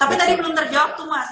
tapi tadi belum terjawab tuh mas